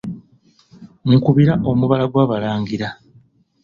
Nkubira omubala gw'Abalangira.